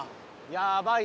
やばい！